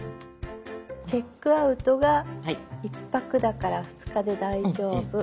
チェックアウトが１泊だから２日で大丈夫。